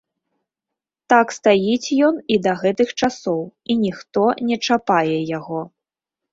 Так стаіць ён і да гэтых часоў, і ніхто не чапае яго.